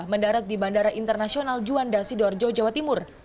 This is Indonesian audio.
mendarat di bandara internasional juanda sidoarjo jawa timur